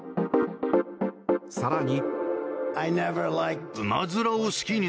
更に。